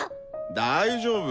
大丈夫！